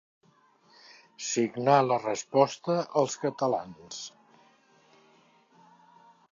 Signà la Resposta als Catalans.